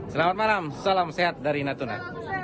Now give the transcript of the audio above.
selamat malam salam sehat dari natuna